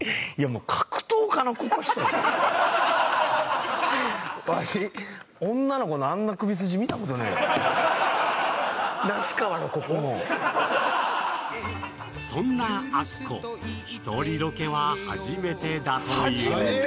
うんそんなアッコ１人ロケは初めてだという初めて？